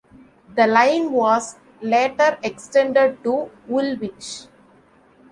The line was later extended to Woolwich.